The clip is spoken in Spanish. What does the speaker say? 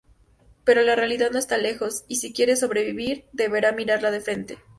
Pero la realidad no está lejos, y si quiere sobrevivir, deberá mirarla de frente.